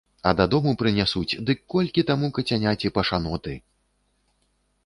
А дадому прынясуць, дык колькі таму кацяняці пашаноты!